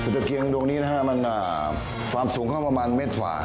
ตะเกียงดวงนี้มันฟาร์มสูงเข้าประมาณเม็ดฝา